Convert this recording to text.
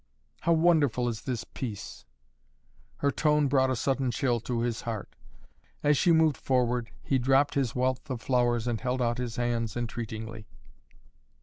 "How wonderful is this peace!" Her tone brought a sudden chill to his heart. As she moved forward, he dropped his wealth of flowers and held out his hands entreatingly.